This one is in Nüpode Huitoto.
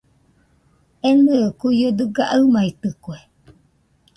Enɨe kuio dɨga aɨmaitɨkue.